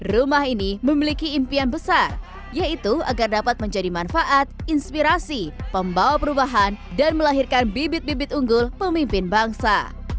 rumah ini memiliki impian besar yaitu agar dapat menjadi manfaat inspirasi pembawa perubahan dan melahirkan bibit bibit unggul pemimpin bangsa